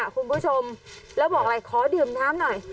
คุณผู้ชมแล้วบอกอะไรขอดื่มน้ำหน่อย